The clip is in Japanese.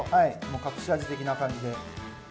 隠し味的な感じで。